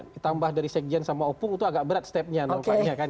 ditambah dari sekjen sama opung itu agak berat stepnya nampaknya kan